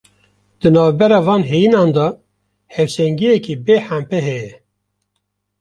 Di navbera van heyînan de hevsengiyeke bêhempa heye.